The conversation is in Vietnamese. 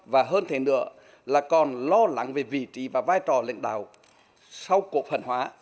và hơn thế nữa là còn lo lắng về vị trí và vai trò lãnh đạo sau cuộc phần hóa